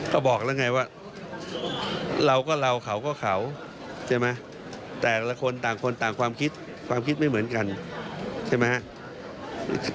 ก็บอกแล้วไงว่าเราก็เราเขาก็เขาใช่ไหมแต่ละคนต่างคนต่างความคิดความคิดไม่เหมือนกันใช่ไหมครับ